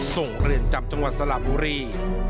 ส่งเลือนจับจังหวัดสละบุรี